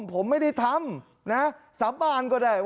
ผมไม่ได้ทำนะครับ๓บ้านก็ได้